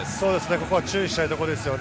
ここは注意したいところですよね。